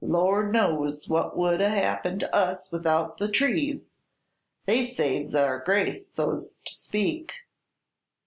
"Lor' knows what would 'a' happened to us without the trees! They saves our grace, so's to speak."